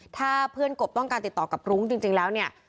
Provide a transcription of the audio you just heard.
ถ้าเพื่อนกบต้องการติดต่อกับรุ้งจริงแล้วเนี่ย